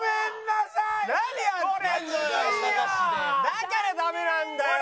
だからダメなんだよ。